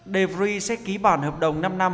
de vries sẽ ký bản hợp đồng năm năm